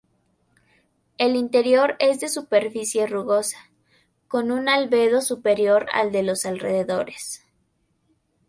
El interior es de superficie rugosa, con un albedo superior al de los alrededores.